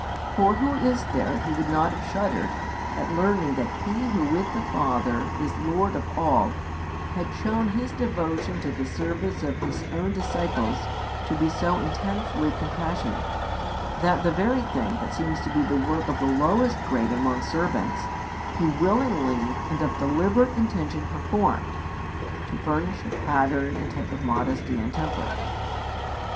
For who is there who would not have shuddered at learning that He Who with the Father is Lord of all had shown His devotion to the service of His own disciples to be so intensely compassionate, that the very thing that seems to be the work of the lowest grade among servants, He willingly and of deliberate intention performed, to furnish a pattern and type of modesty in temper?